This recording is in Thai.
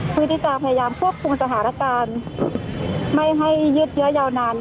เพื่อที่จะพยายามควบคุมสถานการณ์ไม่ให้ยืดเยอะยาวนาน